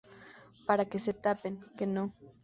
para que se tapen. que no.